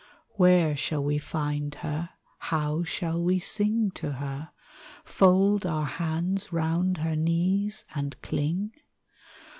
Where shall we find her, how shall we sing to her, Fold our hands round her knees, and cling?